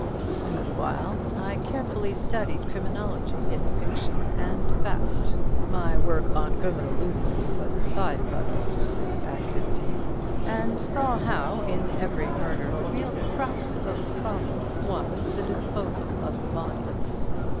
Meanwhile, I carefully studied criminology in fiction and fact—my work on "Criminal Lunacy" was a side product of this activity—and saw how, in every murder, the real crux of the problem was the disposal of the body.